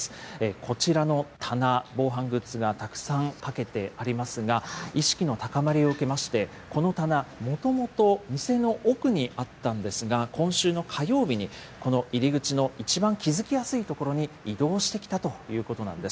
こちらの棚、防犯グッズがたくさんかけてありますが、意識の高まりを受けまして、この棚、もともと店の奥にあったんですが、今週の火曜日に、この入り口の一番気付きやすい所に移動してきたということなんです。